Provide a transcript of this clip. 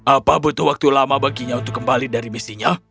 apa butuh waktu lama baginya untuk kembali dari misinya